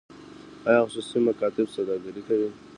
آیا خصوصي مکاتب سوداګري ده؟